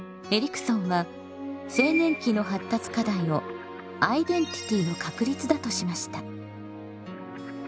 エリクソンは青年期の発達課題をアイデンティティの確立だとしました。